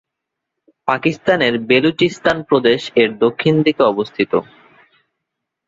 পাকিস্তানের বেলুচিস্তান প্রদেশ এর দক্ষিণ দিকে অবস্থিত।